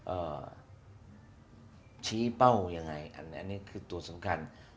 เอ่อชี้เป้ายังไงอันนี้คือตัวสำคัญ